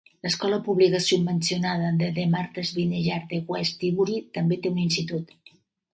L'escola pública subvencionada de The Martha's Vineyard de West Tisbury també té un institut.